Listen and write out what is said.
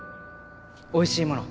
おいしいもの